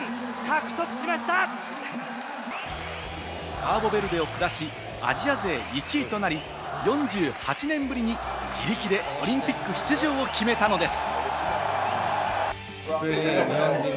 カーボベルデを下し、アジア勢１位となり、４８年ぶりに自力でオリンピック出場を決めたのです。